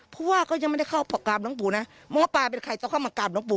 เพราะว่าก็ยังไม่ได้เข้ากราบน้องปู่นะหมอป่าเป็นใครจะเข้ามากราบน้องปู่